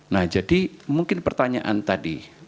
nah jadi mungkin pertanyaan tadi